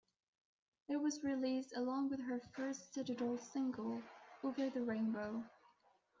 It was released along with her first digital single, "Over the Rainbow".